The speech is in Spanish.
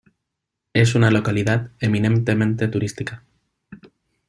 Es una localidad eminentemente turística.